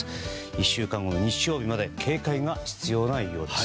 １週間後の日曜日まで警戒が必要なようです。